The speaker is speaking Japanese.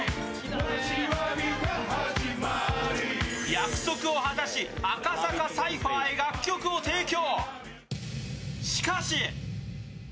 約束を果たし、赤坂サイファーへ楽曲を提供。